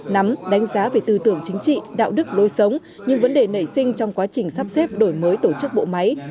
nắm đánh giá về tư tưởng chính trị đạo đức lối sống những vấn đề nảy sinh trong quá trình sắp xếp đổi mới tổ chức bộ máy